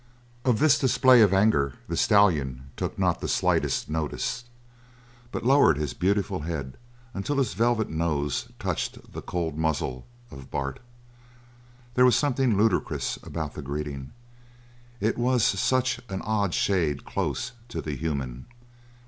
Of this display of anger the stallion took not the slightest notice, but lowered his beautiful head until his velvet nose touched the cold muzzle of Bart. There was something ludicrous about the greeting it was such an odd shade close to the human.